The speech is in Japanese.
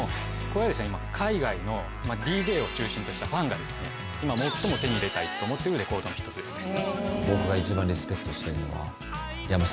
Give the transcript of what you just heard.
これは今海外のＤＪを中心としたファンが今。と思っているレコードの１つですね。